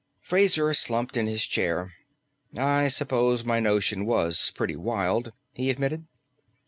Fraser slumped in his chair. "I suppose my notion was pretty wild," he admitted.